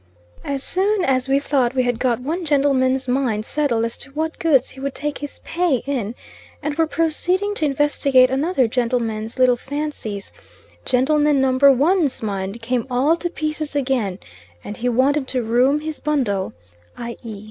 As soon as we thought we had got one gentleman's mind settled as to what goods he would take his pay in, and were proceeding to investigate another gentleman's little fancies, gentleman number one's mind came all to pieces again, and he wanted "to room his bundle," i.e.